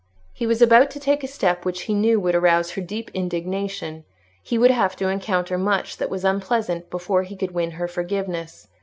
He was about to take a step which he knew would arouse her deep indignation; he would have to encounter much that was unpleasant before he could win her forgiveness.